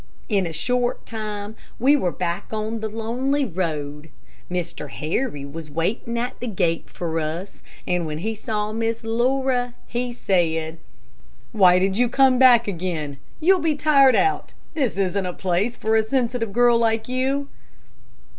In a short time, we were back on the lonely road. Mr. Harry was waiting at the gate for us, and when he saw Miss Laura, he said, "Why did you come jack again? You'll be tired out. This isn't a place for a sensitive girl like you."